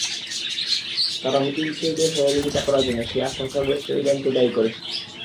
তারা হুতি বিদ্রোহীদের সহযোগিতা করার জন্য শিয়া সংখ্যাগরিষ্ঠ ইরানকে দায়ী করেছে।